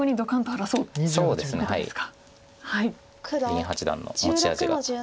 林八段の持ち味が。